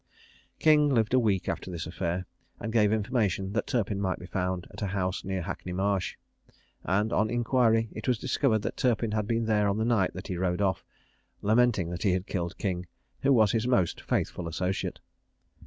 King lived a week after this affair, and gave information that Turpin might be found at a house near Hackney Marsh; and, on inquiry, it was discovered that Turpin had been there on the night that he rode off, lamenting that he had killed King, who was his most faithful associate.